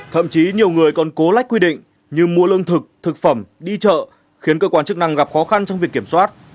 thậm chí nhiều người còn cố lách quy định như mua lương thực thực phẩm đi chợ khiến cơ quan chức năng gặp khó khăn trong việc kiểm soát